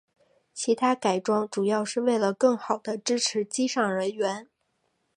其它改装主要是为了更好地支持机上人员。